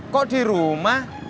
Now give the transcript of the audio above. kok di rumah